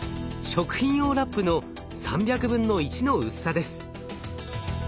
食品用ラップの３００分の１の薄さです。